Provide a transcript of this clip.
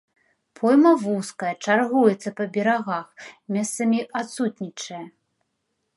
Пойма вузкая, чаргуецца па берагах, месцамі адсутнічае.